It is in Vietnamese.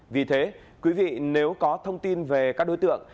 vì thế quý vị nếu có thông tin về các đối tượng